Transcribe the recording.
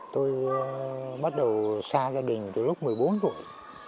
tôi bắt đầu xa gia đình từ lúc một mươi bốn tuổi